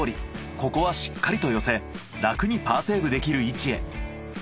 ここはしっかりと寄せ楽にパーセーブできる位置へ。